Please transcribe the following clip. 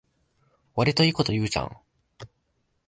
わりといいこと言うじゃん